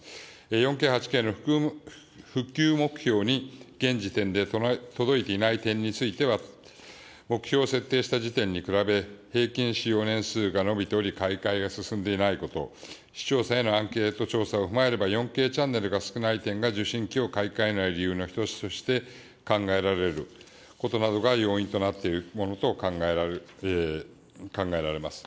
４Ｋ８Ｋの普及目標に現時点で届いていない点については、目標を設定した時点に比べ、平均使用年数が延びており、買い替えが進んでいないこと、視聴者へのアンケート調査を踏まえれば、４Ｋチャンネルが少ない点が、受信機を買い替えない理由の一つとして考えられることなどが要因となっているものと考えられます。